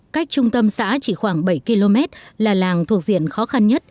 cách trung tâm xã chỉ khoảng bảy km là làng thuộc diện khó khăn nhất